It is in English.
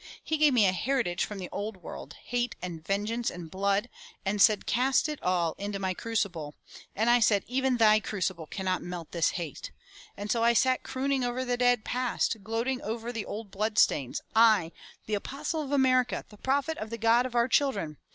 He gave me a heritage from the old world, hate and vengeance and blood, and said, *Cast it all into my crucible.' And I said, 'Even thy crucible cannot melt this hate!* And so I sat crooning over the dead past, gloating over the old blood stains, I, the apostle of America, the prophet of the God of our children.